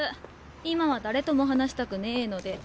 今は誰とも話したくねぇので。